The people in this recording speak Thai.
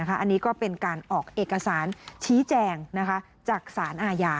อันนี้ก็เป็นการออกเอกสารชี้แจงจากสารอาญา